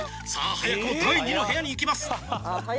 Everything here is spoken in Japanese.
早くも第２の部屋に行きます。